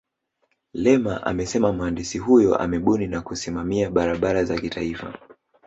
lema amesema mhandisi huyo amebuni na kusimamia barabara za kitaifa